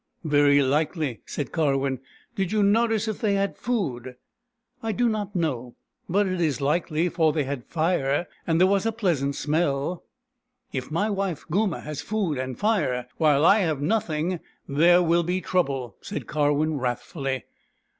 " Very likely," said Karwin. " Did you notice if they had food ?"" I do not know. But it is likely, for they had fire, and there was a pleasant smell." " If my wife Goomah has food and fire, while I have nothing, there will be trouble," said Karwin wrathfully.